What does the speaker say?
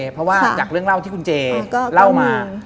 เพราะว่าจากเรื่องเล่าที่คุณเจเล่ามา